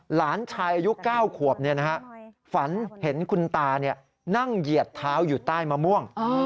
หลานชายอายุ๙ขวบฝันเห็นคุณตานั่งเหยียดเท้าอยู่ใต้มะม่วง